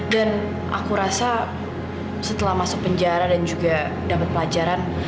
aku rasa setelah masuk penjara dan juga dapat pelajaran